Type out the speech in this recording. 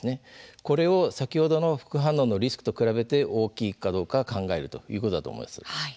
これを先ほどの副反応のリスクと比べて大きいかどうか考えるということだと思います。